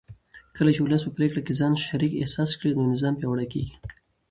کله چې ولس په پرېکړو کې ځان شریک احساس کړي نو نظام پیاوړی کېږي